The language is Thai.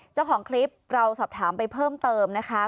เจ้าของคลิปเราสอบถามไปเพิ่มเติมนะคะ